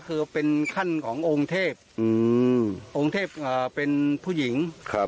คือเป็นขั้นของโอร์งเทพโอร์งเทพเป็นผู้หญิง